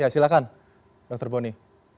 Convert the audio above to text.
ya silakan dr boni